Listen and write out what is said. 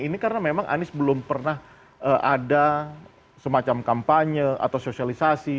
ini karena memang anies belum pernah ada semacam kampanye atau sosialisasi